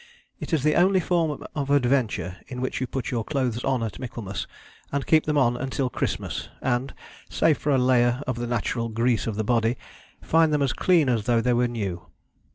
It is the only form of adventure in which you put on your clothes at Michaelmas and keep them on until Christmas, and, save for a layer of the natural grease of the body, find them as clean as though they were new.